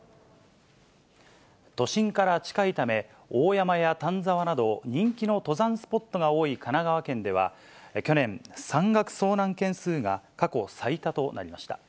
都心から近いため、大山や丹沢など、人気の登山スポットが多い神奈川県では、去年、山岳遭難件数が過去最多となりました。